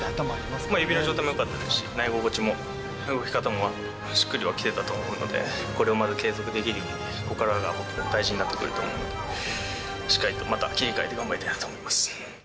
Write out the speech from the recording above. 指の状態もよかったですし、投げ心地も、動き方もしっくりはきてたと思うので、これをまた継続できるように、ここからがもっと大事になってくると思うので、しっかりとまた切り替えて頑張りたいと思います。